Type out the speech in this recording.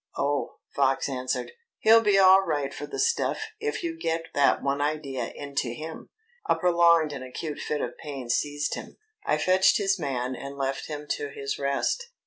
"Oh," Fox answered, "he'll be all right for the stuff if you get that one idea into him." A prolonged and acute fit of pain seized him. I fetched his man and left him to his rest.